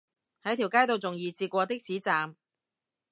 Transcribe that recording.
喺條街度仲易截過的士站